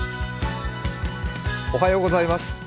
おはようございます。